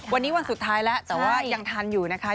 วันนี้วันสุดท้ายแล้วแต่ว่ายังทันอยู่นะคะ